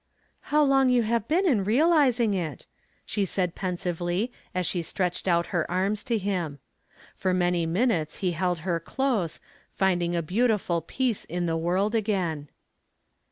"How long you have been in realizing it," she said pensively as she stretched out her arms to him. For many minutes he held her close, finding a beautiful peace in the world again.